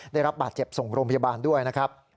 ได้รับบาดเจ็บส่งโรงพยาบาลด้วยนะครับ